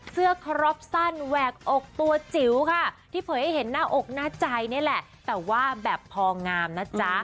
ครอบสั้นแหวกอกตัวจิ๋วค่ะที่เผยให้เห็นหน้าอกหน้าใจนี่แหละแต่ว่าแบบพองามนะจ๊ะ